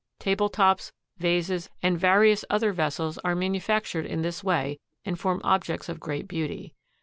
Table tops, vases and various other vessels are manufactured in this way and form objects of great beauty.